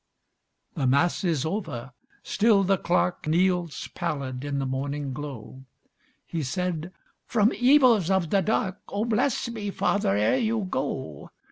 The Mass is over—still the clerk Kneels pallid in the morning glow. He said, "From evils of the dark Oh, bless me, father, ere you go.